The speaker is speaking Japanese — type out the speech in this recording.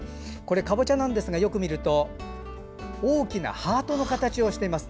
かぼちゃなんですがよく見ると大きなハートの形をしています。